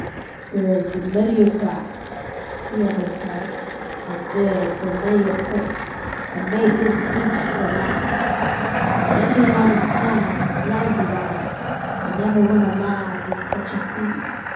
'There has been many a craft,' the other said, 'has sailed for many a port, and made this beach her last; and many an honest man has landed on it, and never one alive in such a sea.